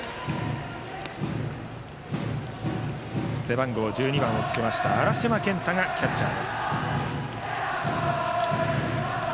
背番号１２をつけた荒島健太がキャッチャー。